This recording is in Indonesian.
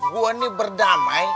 gue ini berdamai